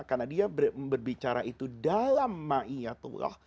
karena dia berbicara itu dalam ma'iyatullah